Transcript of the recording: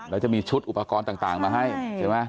แล้วจะมีชุดอุปกรณ์ต่างมาให้ใช่ไหม